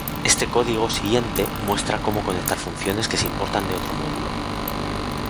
Este código siguiente muestra cómo conectar funciones que se importan de otro módulo.